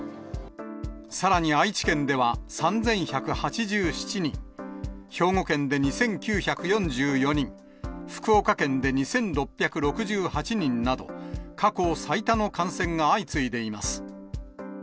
さらに愛知県では３１８７人、兵庫県で２９４４人、福岡県で２６６８人など、過去最多の感染が相次いでいます。